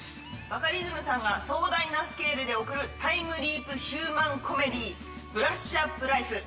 バカリズムさんが壮大なスケールで送るタイムリープヒューマンコメディ『ブラッシュアップライフ』。